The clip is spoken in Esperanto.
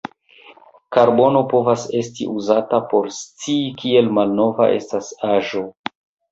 Karbono povas esti uzata por scii, kiel malnova estas aĵo.